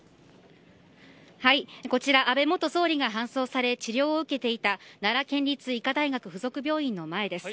こちら安倍元総理が搬送され治療を受けていた奈良県立医科大学付属病院の前です。